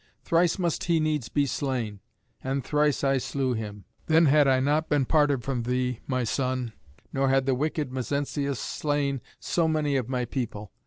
Thrice must he needs be slain, and thrice I slew him. Then had I not been parted from thee, my son, nor had the wicked Mezentius slain so many of my people.